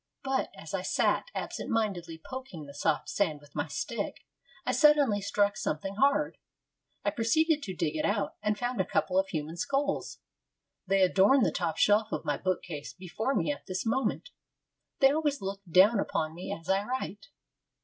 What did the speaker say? But, as I sat absent mindedly poking the soft sand with my stick, I suddenly struck something hard. I proceeded to dig it out, and found a couple of human skulls. They adorn the top shelf of my book case before me at this moment. They always look down upon me as I write.